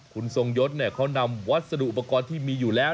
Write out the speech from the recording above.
คุณทรงยศเขานำวัสดุอุปกรณ์ที่มีอยู่แล้ว